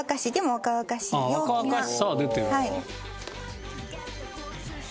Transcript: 若々しさは出てるのか。